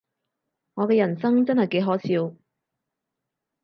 我嘅人生真係幾可笑